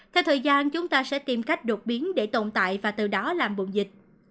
theo thời gian chúng ta sẽ tìm cách đột biến để tồn tại và từ đó làm bụng dịch